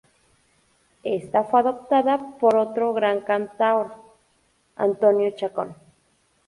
Esta fue adoptada por otro gran cantaor: Antonio Chacón.